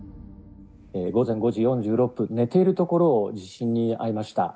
午前５時４６分寝ているところを地震に遭いました。